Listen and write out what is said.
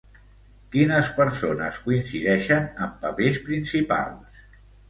Quines persones coincideixen en papers principals?